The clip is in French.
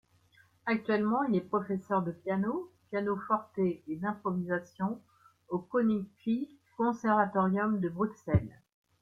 Actuellement, il est professeur de piano, pianoforte et d’improvisation au Koninklijk Conservatorium de Bruxelles.